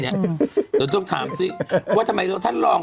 เดี๋ยวต้องถามสิว่าทำไมท่านลอง